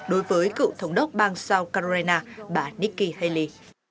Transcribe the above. đối với cựu thống đốc bang south carolina bà nikki haley